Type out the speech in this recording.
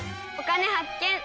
「お金発見」。